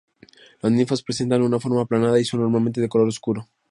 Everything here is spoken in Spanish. Las ninfas presentan una forma aplanada y son normalmente de color oscuro.